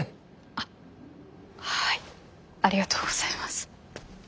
あっはいありがとうございます。